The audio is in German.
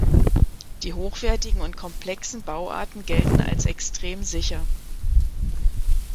Die hochwertigen und komplexen Bauarten gelten als extrem sicher.